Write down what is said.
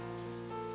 nanti aku jemput kamu